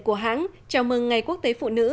của hãng chào mừng ngày quốc tế phụ nữ